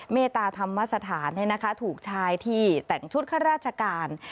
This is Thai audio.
เมตตาธรรมสถานถูกชายที่แต่งชุดข้าราชการ